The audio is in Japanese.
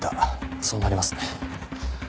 そうなりますね。